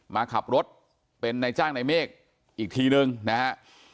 มาขับรถเป็นนายจ้างในเมฆอีกทีนึงนะฮะ